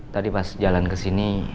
tadi pas jalan ke sini